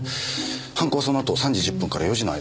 犯行はそのあと３時１０分から４時の間でしょう。